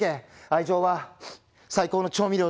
愛情は最高の調味料だ。